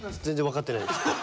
全然分かってないでしょ。